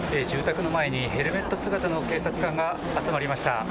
住宅の前にヘルメット姿の警察官が集まりました。